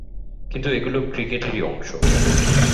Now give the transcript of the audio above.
কিন্তু এগুলো ক্রিকেটেরই অংশ।